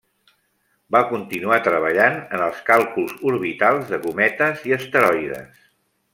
Va continuar treballant en els càlculs orbitals de cometes i asteroides.